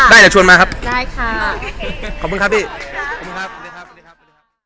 ได้แต่ชวนมาครับได้ค่ะขอบคุณครับพี่ขอบคุณครับสวัสดีครับสวัสดีครับสวัสดีครับ